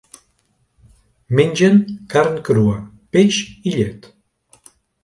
Mengen carn crua, peix i llet.